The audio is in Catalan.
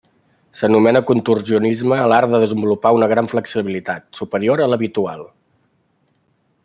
S'anomena contorsionisme a l'art de desenvolupar una gran flexibilitat, superior a l'habitual.